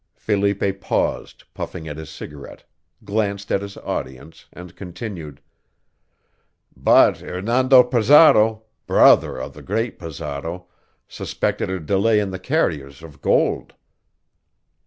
Felipe paused, puffing at his cigarette, glanced at his audience, and continued: "But Hernando Pizarro, brother of the great Pizarro, suspected a delay in the carriers of gold.